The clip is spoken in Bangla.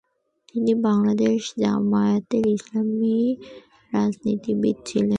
তিনি বাংলাদেশ জামায়াতে ইসলামীর রাজনীতিবিদ ছিলেন।